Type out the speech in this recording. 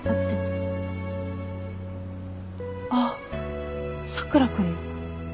あっ佐倉君の？